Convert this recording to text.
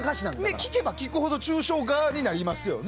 聴けば聴くほど抽象側になりますよね。